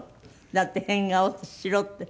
だって変顔しろって。